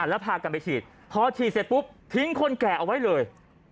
แล้วพากันไปฉีดพอฉีดเสร็จปุ๊บทิ้งคนแก่เอาไว้เลย